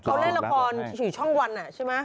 เขาเล่นละคร๔ช่องวันใช่ไหม